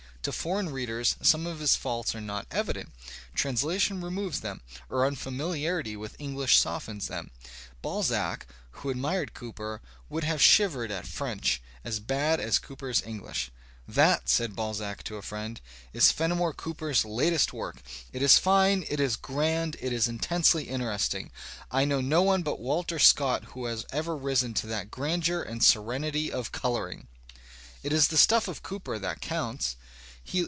To foreign readers some of his faults are not evident; translation removes them, or unfamiliarity with EngUsh softens them. Balzac, who admired Cooper, would have shivered at French as bad as Cooper's English. "That," said Balzac to a friend, "is Fenimore Cooper's latest work. It is fine, it is grand, it Digitized by Google COOPER 89 is intensely interesting. I know no one but Walter Scott who has ever risen to that grandeur and serenity of colouring." It is the stuff of Cooper that counts.